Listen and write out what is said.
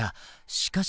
しかし。